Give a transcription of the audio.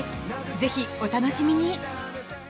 ぜひ、お楽しみに。